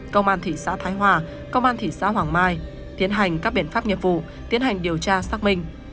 công an thị xã thái hòa công an thị xã hoàng mai tiến hành các biện pháp nghiệp vụ tiến hành điều tra xác minh